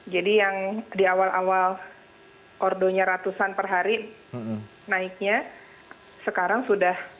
jadi yang di awal awal ordonya ratusan per hari naiknya sekarang sudah